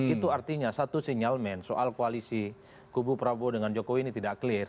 itu artinya satu sinyalmen soal koalisi kubu prabowo dengan jokowi ini tidak clear